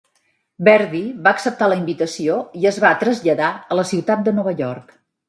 Verdy va acceptar la invitació i es va traslladar a la ciutat de Nova York.